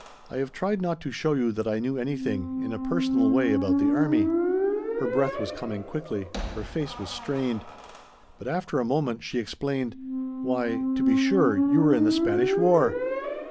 "I have tried not to show you that I knew anything in a personal way about the army." Her breath was coming quickly; her face was strained. But after a moment she exclaimed: "Why to be sure you were in the Spanish War!"